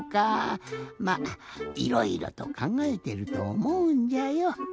まいろいろとかんがえてるとおもうんじゃよ。